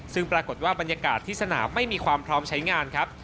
ซึ่งปรากฏว่าบรรยากาศที่สนามไม่มีความพร้อมใช้งานครับ